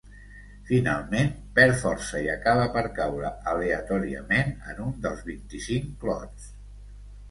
Finalment, perd força i acaba per caure aleatòriament en un dels vint-i-cinc clots.